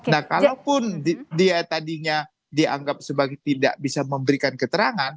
nah kalaupun dia tadinya dianggap sebagai tidak bisa memberikan keterangan